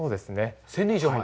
１０００年以上前。